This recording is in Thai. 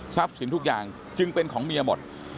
สินทุกอย่างจึงเป็นของเมียหมด